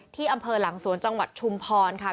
ที่อำเภอหลังสวนจังหวัดชุมพรค่ะ